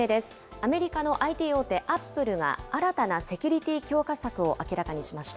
アメリカのＩＴ大手、アップルが、新たなセキュリティー強化策を明らかにしました。